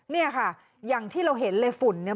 เนี่ยค่ะอย่างที่เราเห็นเลยฝุ่นเนี่ย